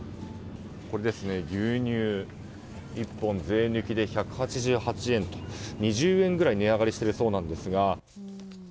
牛乳１本、税抜きで１８８円と２０円ぐらい値上がりしているそうなんですが。